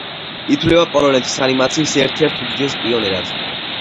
ითვლება პოლონეთის ანიმაციის ერთ-ერთ უდიდეს პიონერად.